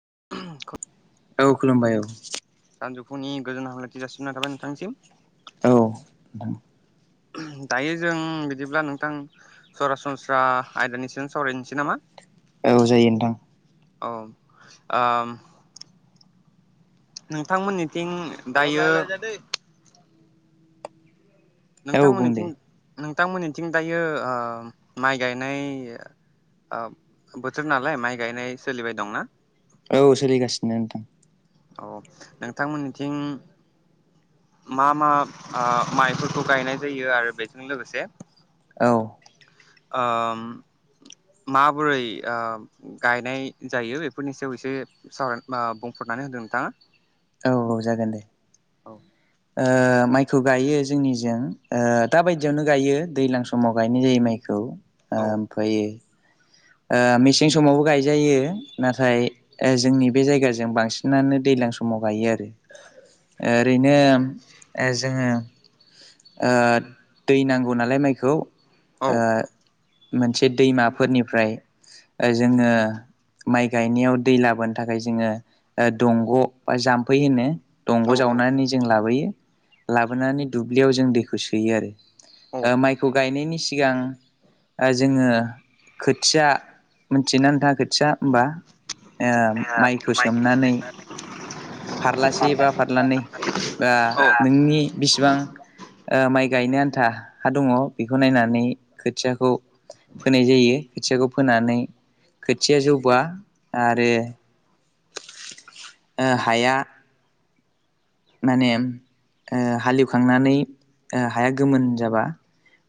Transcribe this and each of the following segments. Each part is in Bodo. [unintelligible] औ खुलुमबाय औ। सानजौफुनि गोजोन हामलायथि जासिहरनाय थाबाय नोंथांनिसिम। औ नोंथां। [unintelligible] दायो जों बिदिब्ला नोंथां सरासनस्रा आयदानि सायावनो सावरायनसै नामा? औ जायो नोनथां। औ ओम नोंथांमोननिथिं दायो औ बुं दे नोंथांमोननिथिं-नोंथांमोननिथिं दायो ओ माइ गायनाय ओ बोथोर नालाय माइ गायनाय सोलिबाय दंना? औ सोलिगासिनो नोंथां। औ नोंथांमोननिथिं मा मा आ माइफोरखौ गायनाय जायो आरो बेजों लोगोसे औ ओम माबोरै ओ गायनाय जायो? बेफोरनि सायाव एसे सावराय मा बुंफो नानै होदो नोंथाङा। औ जागोन दे औ ओ माइखौ गायो जोंनिजों ओ दा बायदियावनो गायो दैलां समाव गायनाय जायो माइखौ। ओमफायो ओ मेसें समावबो गायजायो नाथाय ओ जोंनि बे जायगाजों बांसिनानो दै ज्लां समाव गायो आरो। ओरैनो ओ जोङो ओ दै नांगौ नालाय माइखौ ओ औ मोनसे दैमाफोरनिफ्राय ओ जोङो माइ गायनायाव दै लाबोनो थाखाय जोङो ओ दंग' बा जाम्फै होनो औ दंग' औ जावनानै जों लाबोयो लाबोनानै दुब्लियाव जों दैखौ सोयो आरो। औ ओ माइखौ गायनायनि सिगां आ जोङो खोथिया मिनथियो ना नोंथाङा खो थिया होमबा ओ माइखौ सोमनानै फारलासे बा फारलानै बा नोंनि बिसिबां ओ माइ गायनो आन्था हा दङ बेखौ नायनानै खोथियाखौ फोनाय जायो खोथियाखौ फोनानै खोथिया जौबा आरो ओ हाया माने ओ हालेवखांनानै ओ हाया गोमोन जाबा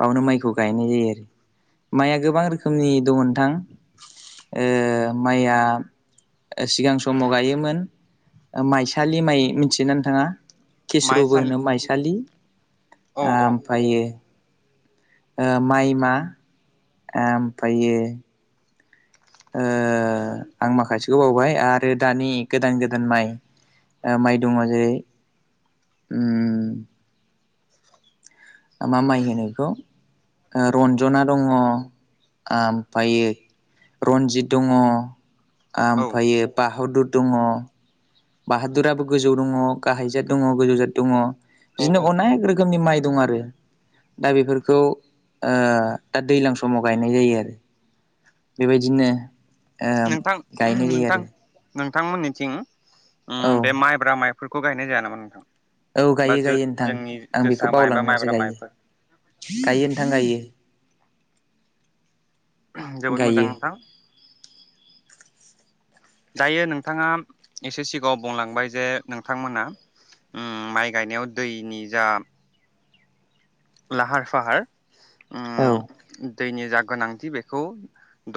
बावनो माइखौ गायनाय जायो आरो। माया गोबां रोखोमनि दङ नोंथां। ओ माया ओ सिगां समाव गायोमोन ओ माइसालि माइ मिनथियोना थाङा केस्र'बो माइसालि होनो माइसालि औ औ आमफायो ओ माइमा आमफायो [inaudible] ओ आं माखासेखौ बावबाय आरो दानि गोदान गोदान माइ ओ माइ दङ । जेरै- उम [inaudible] मा माइ होनो बेखौ ओ रन्जना दङ आमफायो रन्जित दङ औ ओमफ्रायो बाहदुद दङ बाहादुराबो गोजौ दङ गाहायजाथ दङ गोजौ जाथ दङ औ बिदिनो औ अनेक रोखोमनि माइ दं आरो दा बेफोरखौ ओ दा दैज्लां समाव गायनाय जायो आरो बेबायदिनो ओ नोंथां गायनाय जायो नोंथां आरो नोंथांमोननिथिं ओम बे औ माइब्रा माइफोरखौ गायनाय जाया नामा नोंथां? औ बा गायो जो गायो नोंथां जोंनि आं जोसा बेखौ माइ बा बावलांदोंसो माइब्रा गायो माइफोर गायो नोंथां गायो जोबोद मोजां गायो नोंथां दायो नोंथाङा एसे सिगाङाव बुंलांबाय जे नोंथांमोना उम माइ गायनायाव दैनि जा लाहार फाहार औ उम दैनि जा गोनांथि बेखौ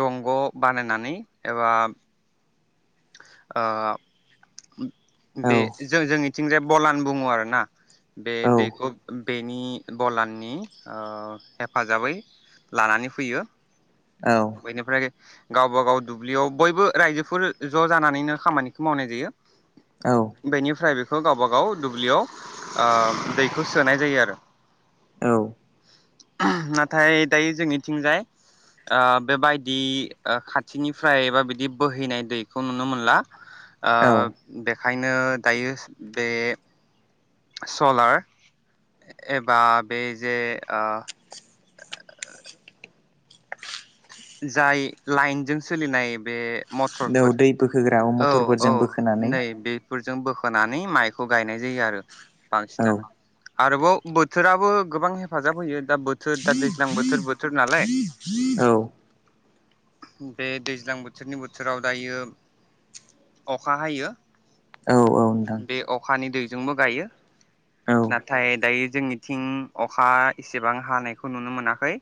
दंग' बानायनानै एबा ओ औ बे जों जोंनिथिंजाय बलान बुङो आरोना बे औ दैखौ बेनि बलाननि ओ हेफाजाबै लानानै फैयो औ बेनिफ्राय गावबाागाव दुब्लियाव बयबो रायजोफोर ज' जानानैनो खामानिखौ मावनाय जायो औ बेनिफ्राय बे खौ गावब गाव दुब्लियाव ओ दैखौ सोनाय जायो आरो नाथाय दायो जोंनिथिंजाय आ बेबायदि खाथिनिफ्राय एा बिदि बोहैनाय दैखौ नुनो मोनला आ औ बेखायनो दायो बे सलार एबा बै जे ओ जाय लाइनजों सोलिनाय बे मटरफोर दाउ दै बोखोग्रा मथरफोरजों बोखोनानै जों बोखोनानै माइखौ गायनाय जायो आरो औ बांसिनानो आरोबाव बोथोराबो गोबां हेफाजाब होयो दा बोथोर दा दैज्लां बोथोर बोथोर नालाय औ बे दैज्लां बोथोरनि बोथोराव दायो अखा हायो औ नोंथां बे अखानि दैजोंबो गायो औ नाथाय दायो जोंनिथिं अखा एसेबां हानायखौ नुनो मोनाखै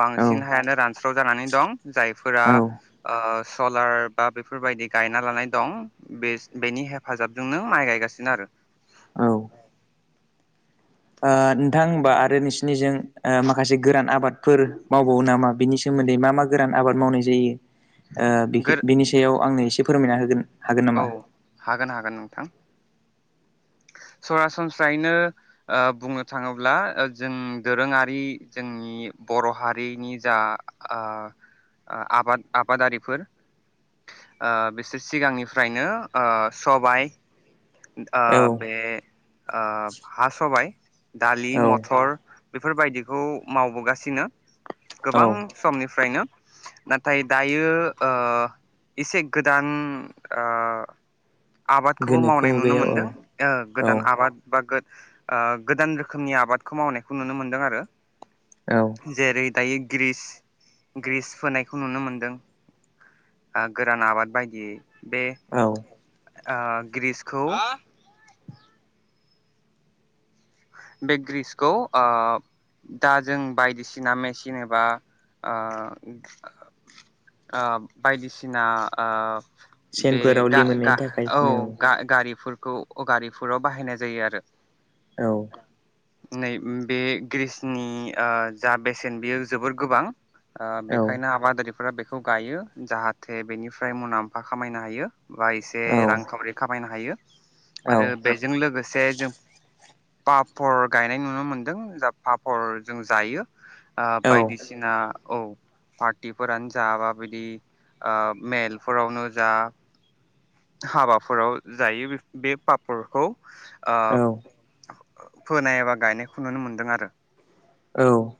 बांसिन औ बांसिन हायानो रानस्राव जानानै दं जायफोरा ओ ओ सलार बा बेफोरबायदि गायना लानाय दं बे बेनि हेफाजाबजोंनो माइ गायगासिनो आरो [inaudible] ओ नोंथां होनबा आरो नोंसिनिजों माखासे गोरान आबादफोर मावबावो नामा बिनि सोमोन्दै नदै मा-मा गोरान आबाद मावनाय जायो ओ बेख गोर बिनि सायाव आंनो एसे फोरमायना होगोन हागोन औ नामा हागोन हागोन नोंथां [inaudible] सरासनस्रायैनो ओ बुंनो थाङोब्ला जों दोरोङारि जोंनि बर' हारिनि जा आ आबाद आबादारिफोर ओ बिसोर सिगांनिफ्रायनो ओ सबाय ओ औ बे ओ हा सबाइ दालि औ मथर बेफोरबायदिखौ मावबोगासिनो गोबां औ समनिफ्रायनो नाथाय दायो ओ इसे गोदान ओ आबादखौबो गोनोखो मावनाय नुनो मुगायाव औ मोनदों ओ गोदान औ आबाद बा गो-गोदान रोखोमनि आबादखौ मावनायखौ नुनो मोनदों आरो औ जेरै दायो ग्रिस ग्रिस फोनायखौ नुनो मोनदों गोरान आबाद बायदियै बे औ आ ग्रिस खौ बे ग्रिसखौ ओ दा जों बायदिसिना मेचिन एबा ओ [unintelligible] ओ बायदिसिना ओ बे सेनफोराव गा गा लिमोननायनि थाखाय फुनो औ गा-गारिफोरखौ गारिफोराव बाहायनाय जायो आरो औ नै बे ग्रिसनि ओ जा बेसेन बेयो जोबोर गोबां ओ औ बेखायनो आबादारिफोरा बेखौ गायो जाहाथे बेनिफ्राय मुनाम्फा खामायनो हायो बा एसे औ रां खावरि खामायनो हायो औ आरो बेजों लोगोसे जों पापर गायनाय नुनो मोनदों जा पापर जों जायो ओ औ बायदिसिना औ पार्टिफोरानो जा बा बिदि ओ मेलफोरावनो जा हाबाफोराव जायो बे पापरखौ ओ फोनाय एबा गायनायखौ नुनो मोनदों आरो औ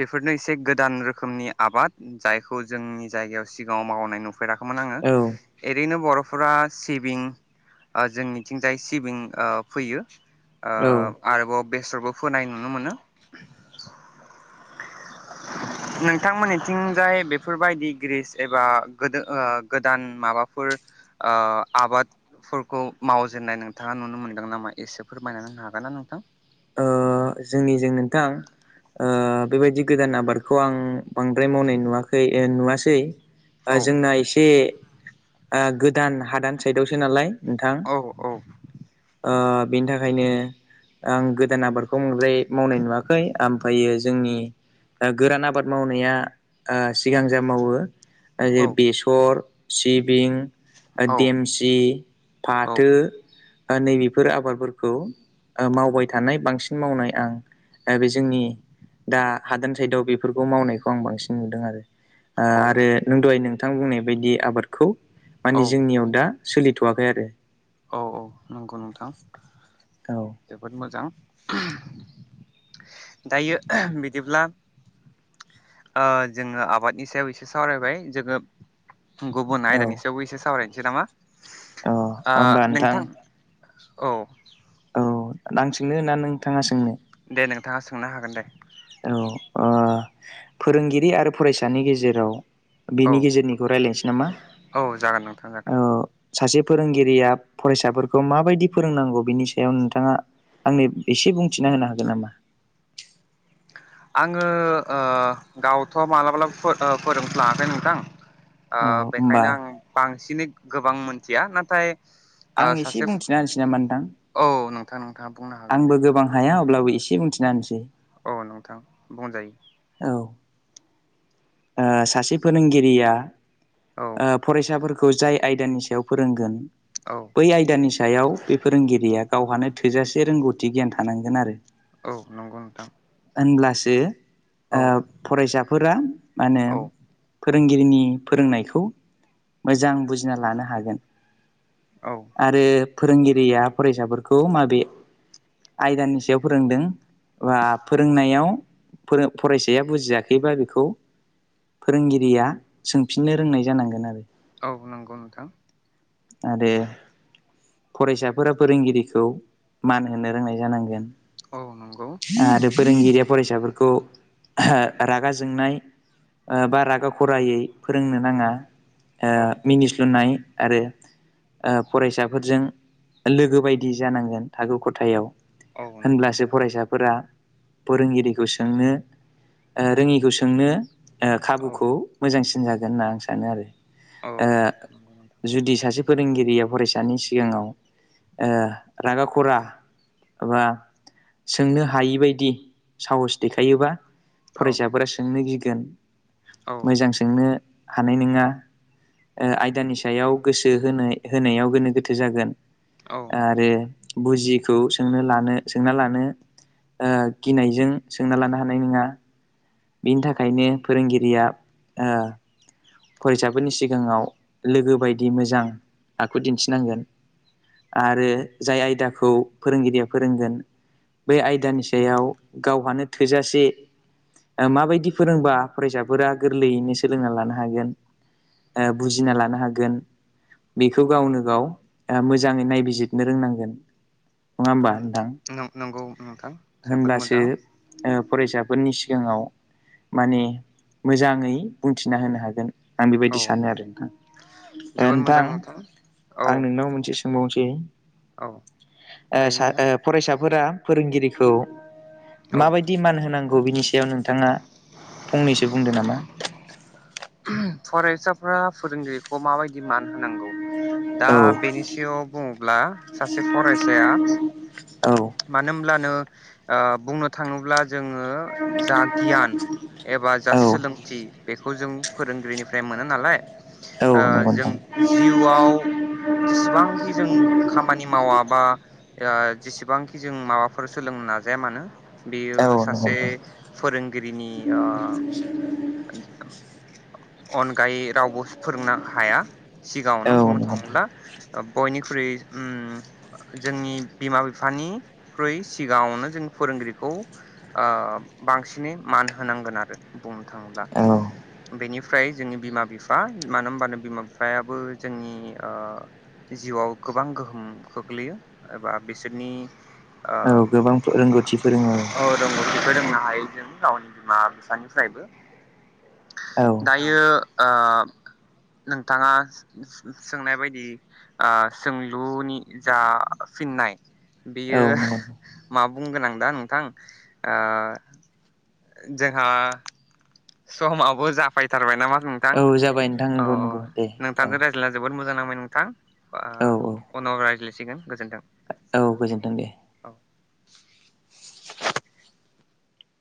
बेफोरनो एसे गोदान रोखोमनि आबाद जायखौ जोंनि जायगायाव सिगाङाव मावनाय नुफेरा खैमोन आङो एरैनो बर'फोरा सिबिं ओ जों मिथिंजाय सिबिं ओ फोयो ओ आरोबाव बेसरबो फोनाय नुनो मोनो [unintelligible] नोंथांमोननिथिंजाय बेफोरबायदि ग्रिस एबा गोदो ओ गोदान माबाफोर [unintelligible] ओ आबादफोरखौ मावजेननाय नोंथाङा नुनो मोनदों नामा एसे फोरमायनानै होनो हागोन ना नोंथां ओ जोंनिजों नोंथां ओ बेबायदि गोदान आबादखौ आं बांद्राय मावनाय नुवाखै ओ नुवासै ओ औ जोंना एसे ओ गोदान हादान साइदआवसो नालाय नोंथां औ ओ बेनि थाखायनो आं गोदान आबादखौ बांद्राय मावनाय नुवाखै आमफायो जोंनि ओ गोरान आबाद मावनाया ओ सिगां जा मावो औ जेरै बेसर सिबिं ओ औ देमसि औ फाथो ओ नैबेफोर आबादफोरखौ ओ मावबाय थानाय बांसिन मावनाय आं ओ बे जोंनि दा हादान साइदाव बेफोरखौ मावनाय खौ आं बांसिन नुदों आरो ओ औ आरो नों दहाय नोंथां बुंनाय बायदि आबादखौ माने औ जोंनियाव दा सोलिथ'वाखै आरो औ औ नंगौ नोंथां औ जोबोद मोजां [unintelligible] दायो बिदिब्ला ओ जोङो आबादनि सायाव एसे सावरायबाय जोङो गुबुन औ आयदानि सायावबो एसे सावरायनसै नामा अ ओ होमबा नोंथां औ औ आं सोंनो ना नोंथाङा सोंनो दे नोंथाङा सोंनो हागोन दे औ ओ फोरोंगिरि आरो फरायसानि गेजेराव औ बेनि गेजेरनिखौ रायलायसै नामा औ जागोन नोंथां जागोन औ सासे फोरोंगिरिया फरायसाफोरखौ माबायदि फोरोंनांगौ बिनि सायाव नोंथाङा आंनो एसे बुंथिना होनो हागोन नामा [unintelligible] आङो ओ गावथ' मालाब्लाबो फोरोंफ्लाङाखै नोंथां ओ औ होमबा बेखायनो आं बांसिनै गोबां मोनथिया नाथाय ओ आं एसे सासे बुंथिना होनोसै नामा नोंथां औ नं आंबो गोबां हाया अब्लाबो एसे बुंथिना होनोसै औ नोंथां बुंजायो औ ओ सासे फोरोंगिरिया औ ओ फरायसाफोरखौ खौ जाय आयदानि सायाव फोरोंगोन औ बै आयदानि सायाव बे फोरोंगिरिया गावहानो थोजासे रोंगौथि गियान थानांगोन आरो औ नंगौ नोंथां होनब्लासो ओ औ फरायसाफोरा मा होनो औ फोरोंगिरिनि फोरोंनायखौ मोजां बुजिना लानो हागोन औ आरो फोरोंगिरिया फरायसाफोरखौ माबे आयदानि सायाव फोरोंदों बा फोरोंनायाव फरायसाया बुजियाखैबा बेखौ फोरोंगिरिया सोंफिननो रोंनाय जानांगोन आरो औ नंगौ नोंथां आरो फरायसाफोरा फोरोंगिरिखौ मान होनो रोंनाय जानांगोन औ नंगौ आरो फोरोंगिरिया फरायसाफोरखौ रागा जोंनाय ओ बा रागा खरायै फोरोंनो नाङा ओ औ मिनिस्लुनाय आरो ओ फरायसाफोरजों लोगो बायदि जानांगोन थाखो खथायाव औ नंगौ होनब्लासो नोंथां फरायसाफोरा फोरोंगिरिखौ सोंनो ओ रोङिखौ सोंनो ओ औ खाबुखौ मोजांसिन जागोन होनना आं सानो आरो औ ओ नंगौ नोंथां जुदि सासे फोरोंगिरिया फरायसानि सिगाङाव ओ रागा खरा एबा सोंनो हायिबायदि साहस देखायोबा औ फरायसाफोरा सोंनो गिगोन औ मोजां सोंनो हानाय नङा ओ आयदानि सायाव गोसो होनाय होनायाव गोनो गोथो जागोन आरो बुजियिखौ सोंनो लानो सोंना लानो ओ गिनायजों सोंना लानो हानाय नोङा बिनि थाखायनो फोरोंगिरिया ओ फरायसाफोरनि सिगाङाव लोगो बायदि मोजां आखु दिन्थिनांगोन आरो जाय आयदाखौ फोरोंगिरिया फोरोंगोन बे आयदानि सायाव गावहानो थोजासे ओ माबायदि फोरोंबा फरायसाफोरा गोरलैयैनो सोलोंना लानो हागोन ओ बुजिना लानो हागोन बेखौ गावनो गाव ओ मोजाङै नायबिजिदनो रोंनांगोन नङा हबा नोंथां औ नंगौ नोंथां जोबोद होनब्लासो मोजां ओ फरायसाफोरनि सि सिगाङाव माने मोजाङै बुंथिना होनो हागोन आं औ बेबायदि सानो आरो नोंथां ओ जोबोद नोंथां मोजां औ आं नोंनाव मोनसे सोंबावनोसै औ ओ हायो सा नोंथां ओ फरायसाफोरा फोरोंगिरिखौ औ माबायदि मान होनांगौ बेनि सायाव नोंथाङा फंनैसो बुंदो नामा फरायसाफोरा फोरोंगिरिखौ माबायदि मान होनांगौ दा औ बेनि सायाव बुङोब्ला सासे फरायसाया औ मानो होमब्लानो ओ बुंनो थाङोब्ला जोङो जा गियान एबा जा औ सोलोंथि बेखौ जों फोरोंगिरिनिफ्राय मोनो नालाय औ ओ नंगौ जों नोंथां जिउआव जेसेबांखि जों खामानि मावा बा ओ जेसेबांखि जों माबाफोर सोलोंनो नाजाया मानो बेयो औ नंगौ सासे नोंथां फोरोंगिरिनि ओ [unintelligible] अनगायै रावबो फोरोंनो हाया सिगाङावनो औ बुंनो नंगौ थाङोब्ला ओ बयनिख्रुइ [unintelligible] ओम जोंनि बिमा बिफानिख्रुइ सिगाङावनो जों फोरोंगिरिखौ ओ बांसिनै मान होनांगोन आरो बुंनो थाङोब्ला औ बेनिफ्राय जोंनि बिमा बिफा मानो होनबानो बिमा फिफायाबो जोंनि ओ जिउआव गोबां गोहोम खोख्लैयो एबा बिसोरनि औ ओ गोबां फो रोंगौथि फोरोङो औ रोंगौथिखौ रोंनो हायो जों गावनि बिमा बिफानिफ्रायबो औ दायो ओ नोंथाङा सोंनाय बायदि ओ सोंलुनि जा फिननाय बियो औ नंगौ मा बुंगोन आं दा नोंथां ओ जोंहा समाबो जाफैथारबाय नामा थां जाबाय नोंथां औ नंगौ नंगौ दे औ नोंथांजों राय ज्लायना जोबोद मोजां नांबाय नोंथां औ उनाव रायज्लायसिगोन गोजोन्थों औ गोजोन्थों दे [inaudible]